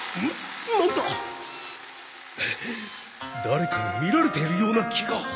誰かに見られているような気が。